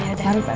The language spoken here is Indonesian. terima kasih pak